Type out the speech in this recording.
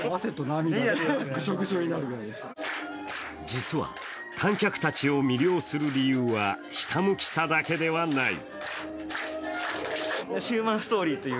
実は、観客たちを魅了する理由はひたむきさだけではない。